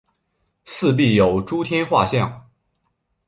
四壁有诸天画像。